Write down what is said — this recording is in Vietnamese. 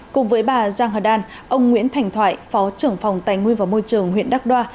cùng với bà giang hờ đan ông nguyễn thành thoại phó trưởng phòng tài nguyên và môi trường huyện đắk đoa